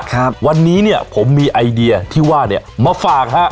ครับวันนี้เนี้ยผมมีไอเดียที่ว่าเนี้ยมาฝากฮะ